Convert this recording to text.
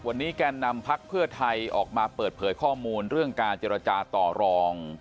วันนี้แกนนำพักเพื่อไทยออกมาเปิดเผยข้อมูลเรื่องการเจรจาต่อรอง